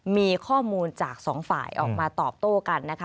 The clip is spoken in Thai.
มีข้อมูลจากสองฝ่ายออกมาตอบโต้กันนะคะ